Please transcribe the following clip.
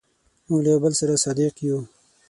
موږ له یو بل سره صادق یو.